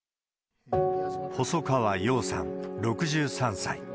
細川洋さん６３歳。